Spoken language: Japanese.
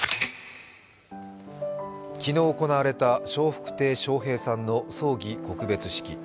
昨日行われた笑福亭笑瓶さんの葬儀・告別式。